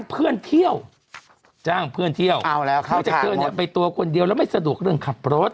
เพื่อนเที่ยวจ้างเพื่อนเที่ยวนอกจากเธอเนี่ยไปตัวคนเดียวแล้วไม่สะดวกเรื่องขับรถ